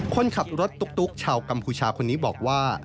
คนขับรถตุ๊กชาวกัมพูชาคนนี้บอกว่า